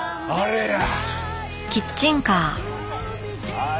はい。